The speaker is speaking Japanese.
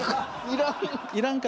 いらん？